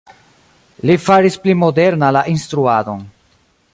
Li faris pli moderna la instruadon.